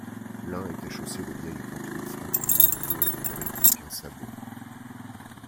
L'un était chaussé de vieilles pantoufles, l'autre n'avait plus qu'un sabot.